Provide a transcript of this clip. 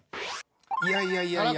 いやいやいやいや。